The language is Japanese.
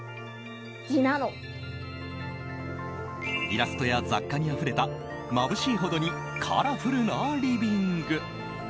イラストや雑貨にあふれたまぶしいほどにカラフルなリビング。